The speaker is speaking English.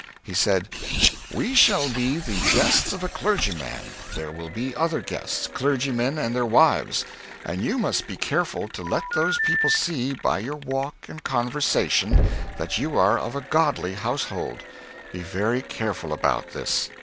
He said: "We shall be the guests of a clergyman, there will be other guests clergymen and their wives and you must be careful to let those people see by your walk and conversation that you are of a godly household. Be very careful about this."